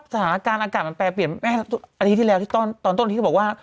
สถานการณ์อากาศมันแปรเปลี่ยนแม่อาทิตย์ที่แล้วที่ตอนต้นที่เขาบอกว่า